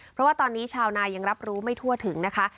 เพราะว่าตอนนี้ชาวนายังรับรู้ไม่ทั่วถึงนะคะ